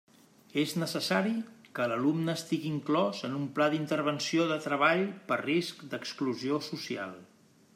És necessari que l'alumne estigui inclòs en un pla d'intervenció o de treball per risc d'exclusió social.